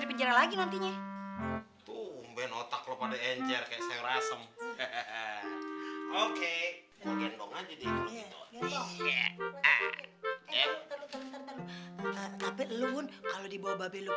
mama aku kan udah sehat